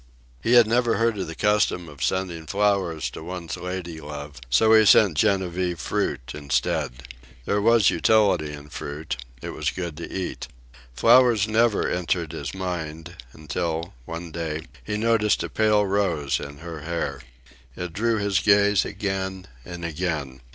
He had never heard of the custom of sending flowers to one's lady love, so he sent Genevieve fruit instead. There was utility in fruit. It was good to eat. Flowers never entered his mind, until, one day, he noticed a pale rose in her hair. It drew his gaze again and again.